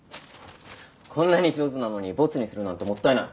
こんなに上手なのにボツにするなんてもったいない。